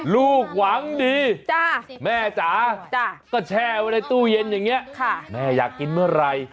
ลูกหวังดีแม่จ๋าก็แช่ไว้ในตู้เย็นอย่างนี้แม่อยากกินเมื่อไหร่